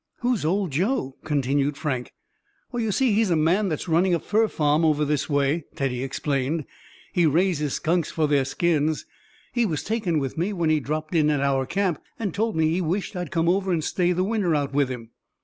"Who's Old Joe?" continued Frank. "Why, you see, he's a man that's runnin' a fur farm over this way," Teddy explained. "He raises skunks for their skins. He was taken with me when he dropped in at our camp, and told me he wisht I'd come over and stay the winter out with him."